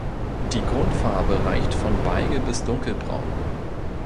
Die Grundfarbe reicht von beige bis dunkelbraun.